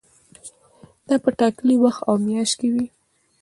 دا په ټاکلي وخت او میاشت کې وي.